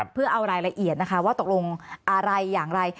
เพื่อเอารายละเอียดนะคะว่าตกลงอะไรอย่างไร